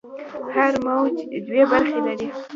هر موج دوې برخې لري.